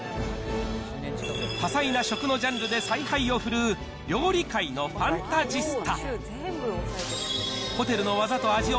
多彩な食のジャンルで采配を振るう料理界のファンタジスタ。